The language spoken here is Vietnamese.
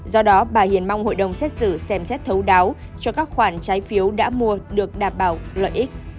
do đó bà hiền mong hội đồng xét xử xem xét thấu đáo cho các khoản trái phiếu đã mua được đảm bảo lợi ích